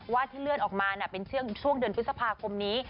ที่เลื่อนออกมาเป็นช่วงเดือนพฤษภาคมนี้